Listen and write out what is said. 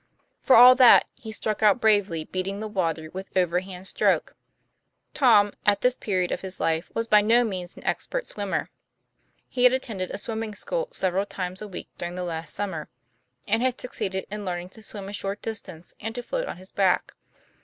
For all that, he struck out bravely, beating the water with over hand stroke. Tom, at this period of his life, was by no means an expert swimmer. He had attended a swimming school sev eral times a week during the last summer, and had succeeded in learning to swim a short distance and to float on his back.